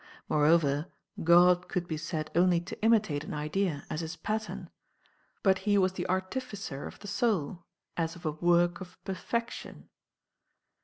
Moreover, God could be said only to imitate an idea, as his pattern ; but he was the artificer of the soul, as of a work of perfection.